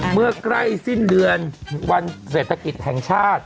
เมื่อใกล้สิ้นเดือนวันเศรษฐกิจแห่งชาติ